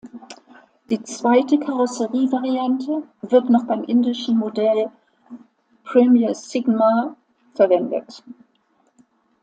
Die zweite Karosserievariante wird noch beim indischen Modell "Premier Sigma" verwendet.